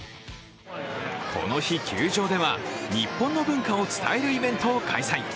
この日球場では日本の文化を伝えるイベントを開催。